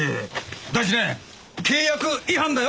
第一ね契約違反だよ！